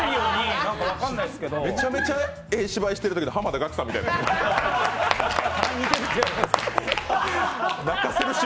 めちゃめちゃええ芝居してるときの濱田岳さんみたいでした。